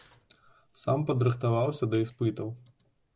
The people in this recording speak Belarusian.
Сам падрыхтаваўся да іспытаў.